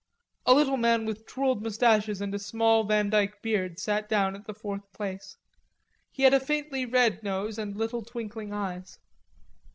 A little man with twirled mustaches and a small vandyke beard sat down at the fourth place. He had a faintly red nose and little twinkling eyes.